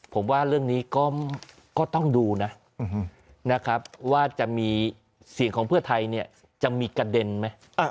ผมว่าเรื่องนี้ก็ต้องดูนะนะครับว่าจะมีเสียงของเพื่อไทยเนี่ยจะมีกระเด็นไหม